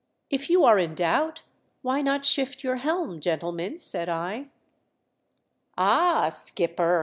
"If you are in doubt why not shift your helm, gentlemen ?" said I. "Ah, skipper!"